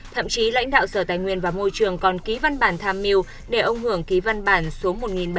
thậm chí lãnh đạo sở tài nguyên và môi trường còn ký văn bản tham mưu để ông hưởng ký văn bản số một nghìn bảy trăm